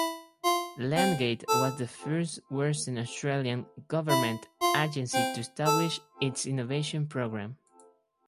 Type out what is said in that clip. Landgate was the first Western Australian government agency to establish its Innovation Program.